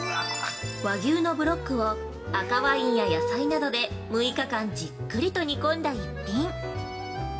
和牛のブロックを赤ワインや野菜などで６日間じっくりと煮込んだ逸品。